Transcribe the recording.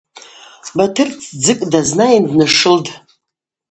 Батыр тдзыкӏ дазнайын днашылтӏ.